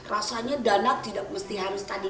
rasanya dana tidak mesti harus tadi